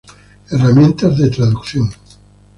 Herramientas de traducción